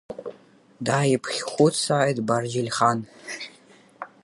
Дааиԥхьхәыцааит Барџьиль-хан.